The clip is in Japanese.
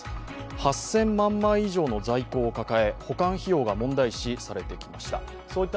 ８０００万枚以上の在庫を抱え、保管費用が問題視されていました。